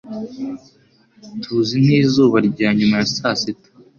tuzi nk'izuba rya nyuma ya saa sita